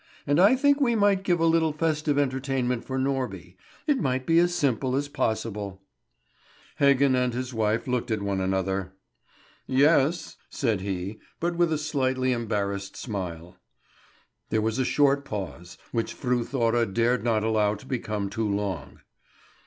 And I think we might give a little festive entertainment for Norby; it might be as simple as possible." Heggen and his wife looked at one another. "Ye es," said he; but with a slightly embarrassed smile. There was a short pause, which Fru Thora dared not allow to become too long.